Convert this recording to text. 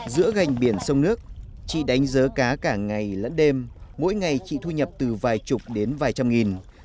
giữa gành biển sông nước chị đánh dớ cá cả ngày lẫn đêm mỗi ngày chị thu nhập từ vài chục đến vài trăm nghìn